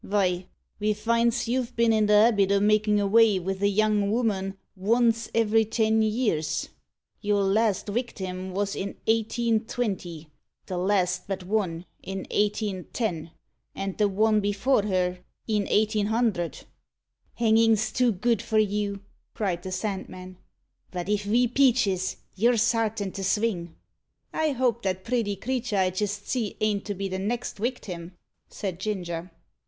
Vy, ve finds you've been i' the habit o' makin' avay with a young ooman vonce every ten years. Your last wictim wos in 1820 the last but one, in 1810 and the one before her, in 1800." "Hangin's too good for you!" cried the Sandman; "but if ve peaches you're sartin to sving." "I hope that pretty creater I jist see ain't to be the next wictim?" said Ginger.